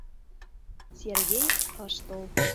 Сергей ыш тол.